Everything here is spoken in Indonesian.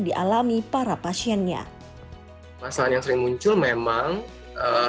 dialami para pasiennya masalah yang sering muncul memang masalah yang sering muncul memang masalah yang sering muncul memang